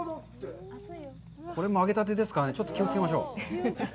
これも揚げたてですからね、ちょっと気をつけましょう。